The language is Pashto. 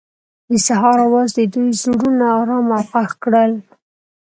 د سهار اواز د دوی زړونه ارامه او خوښ کړل.